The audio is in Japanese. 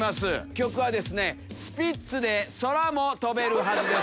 曲はですねスピッツで『空も飛べるはず』です。